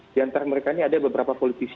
diantara mereka ini ada beberapa politisi